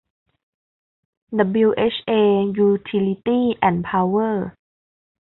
ดับบลิวเอชเอ ยูทิลิตี้ส์ แอนด์ พาวเวอร์